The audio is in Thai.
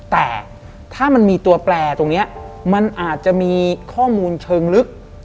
แต่ถ้ามันมีตัวแปลตรงนี้มันอาจจะมีข้อมูลเชิงลึก